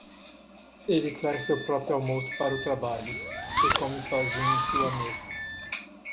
Ele traz seu próprio almoço para o trabalho? e come sozinho em sua mesa.